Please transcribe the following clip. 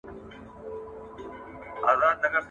موږ به د ناپېژانده کورنۍ څخه لور نه غواړو.